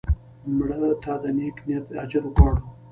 مړه ته د نیک نیت اجر غواړو